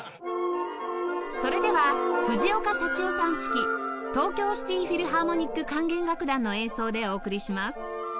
それでは藤岡幸夫さん指揮東京シティ・フィルハーモニック管弦楽団の演奏でお送りします